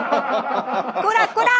こらこら！